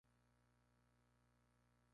Nervios, supongo.